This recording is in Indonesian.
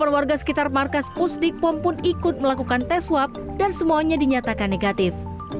delapan warga sekitar markas pusdik pom pun ikut melakukan tes swab dan semuanya dinyatakan negatif